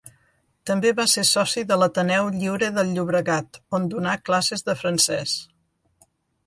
També va ser soci de l'Ateneu Lliure del Llobregat, on donà classes de francès.